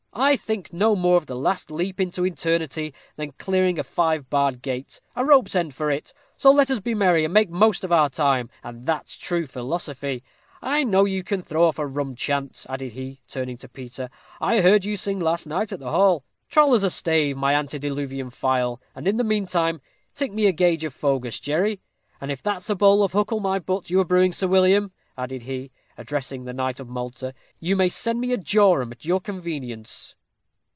I think no more of the last leap into eternity than clearing a five barred gate. A rope's end for it! So let us be merry, and make the most of our time, and that's true philosophy. I know you can throw off a rum chant," added he, turning to Peter. "I heard you sing last night at the hall. Troll us a stave, my antediluvian file, and, in the meantime, tip me a gage of fogus, Jerry; and if that's a bowl of huckle my butt you are brewing, Sir William," added he, addressing the knight of Malta, "you may send me a jorum at your convenience."